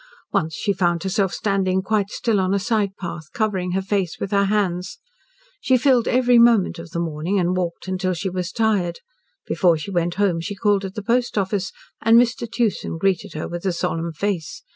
Once she found herself standing quite still on a side path, covering her face with her hands. She filled every moment of the morning, and walked until she was tired. Before she went home she called at the post office, and Mr. Tewson greeted her with a solemn face.